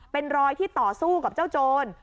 เป็นรอยที่ต่อสู้กับเจ้าโจร